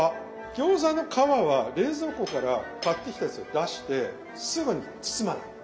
餃子の皮は冷蔵庫から買ってきたやつを出してすぐに包まない。